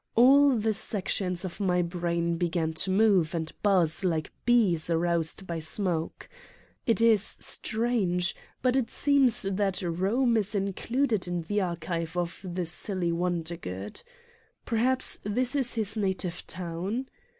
All the sections of my brain began to move and buzz like bees aroused by smoke. It is strange, but it seems that Eome is included in the archive of the silly Wondergood. Perhaps this is his na tive town?